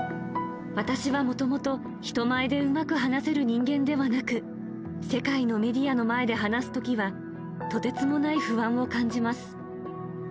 私はもともと人前でうまく話せる人間ではなく、世界のメディアの前で話すときは、とてつもない不安を感じます。